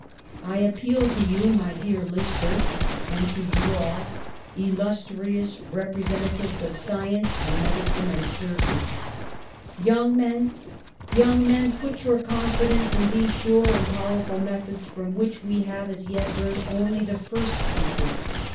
I appeal to you, by dear Lister, and to you all, illustrious representatives of science and medicine and surgery. "Young men, young men, put your confidence in these sure and powerful methods, from which we THE SUPREME HOMAGE 203 have as yet learned only the first secrets.